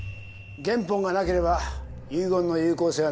原本がなければ遺言の有効性は何もない。